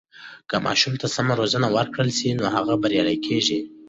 که ماشوم ته سمه روزنه ورکړل سي، نو هغه بریالی کیږي.